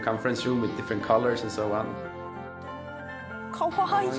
かわいい！